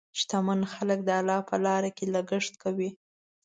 شتمن خلک د الله په لاره کې لګښت کوي.